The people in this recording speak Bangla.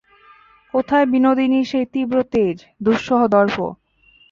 কোথায় বিনোদিনীর সেই তীব্র তেজ, দুঃসহ দর্প।